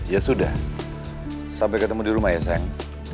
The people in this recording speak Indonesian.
ya sudah sampai ketemu di rumah ya sang